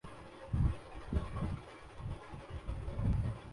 شاید حساب کتاب کا وقت آن پہنچا ہے۔